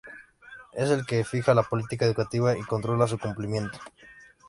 Es el que fija la política educativa y controla su cumplimiento.